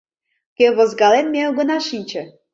Кӧ возгален, ме огына шинче.